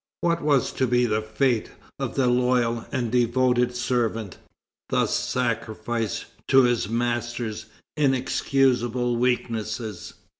What was to be the fate of the loyal and devoted servant, thus sacrificed to his master's inexcusable weakness?